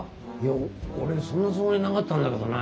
いや俺そんなつもりなかったんだけどね。